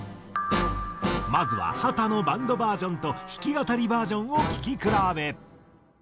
まずは秦のバンドバージョンと弾き語りバージョンを聴き比べ。